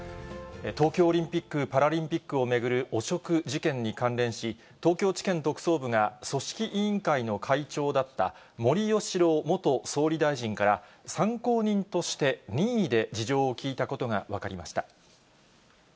東京オリンピック・パラリンピックを巡る汚職事件に関連し、東京地検特捜部が組織委員会の会長だった森喜朗元総理大臣から、参考人として任意で事情を聴いたことが分かりました。